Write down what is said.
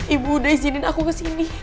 ibu udah izinin aku kesini